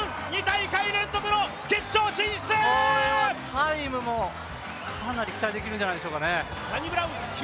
タイムもかなり期待できるんじゃないでしょうかね。